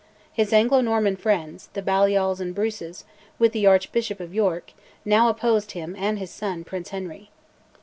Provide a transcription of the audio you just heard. His Anglo Norman friends, the Balliols and Bruces, with the Archbishop of York, now opposed him and his son Prince Henry.